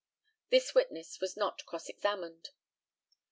This witness was not cross examined.